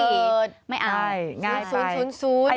ไม่เอาง่ายไปสูนใช่ใช่ใช่ใช่ใช่ใช่ใช่ใช่ใช่